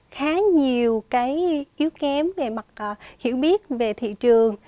khá nhiều cái yếu kém về mặt hiểu biết về thị trường